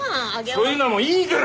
そういうのはもういいから！